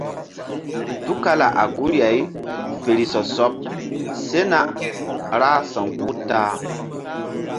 Tukala a guri-ay fe ri sɔ sɔɓ sena ra sa̧wkpuh-u ta-a.